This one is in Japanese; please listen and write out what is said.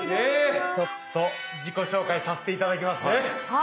ちょっと自己紹介させて頂きますね。